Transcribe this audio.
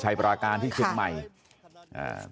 ชาวบ้านในพื้นที่บอกว่าปกติผู้ตายเขาก็อยู่กับสามีแล้วก็ลูกสองคนนะฮะ